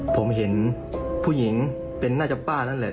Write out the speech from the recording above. ผมเห็นผู้หญิงเป็นน่าจะป้านั่นแหละ